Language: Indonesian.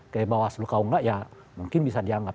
kayak bawaslu kalau nggak ya mungkin bisa dianggap